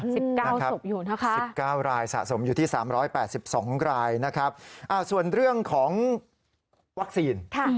๑๙สมอยู่นะคะสมอยู่ที่๓๘๒รายส่วนเรื่องของวัคซีน